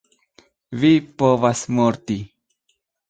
Vi povas morti.